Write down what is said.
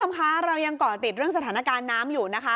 คุณผู้ชมคะเรายังเกาะติดเรื่องสถานการณ์น้ำอยู่นะคะ